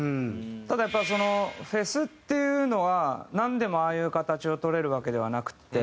ただやっぱりフェスっていうのはなんでもああいう形を取れるわけではなくて。